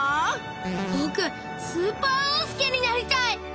ぼくスーパーおうすけになりたい！